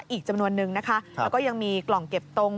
อีกจำนวนนึงนะคะแล้วก็ยังมีกล่องเก็บตรง